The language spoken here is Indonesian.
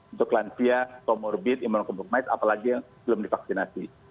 untuk lansia comorbid imunokompromis apalagi yang belum divaksinasi